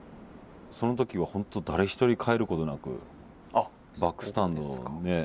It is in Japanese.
その時は本当誰一人帰ることなくバックスタンドのね